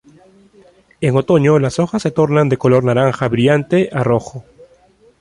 En otoño, las hojas se tornan de color naranja brillante a rojo.